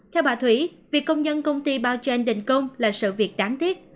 theo bà thủy việc công nhân công ty bao danh định công là sự việc đáng tiếc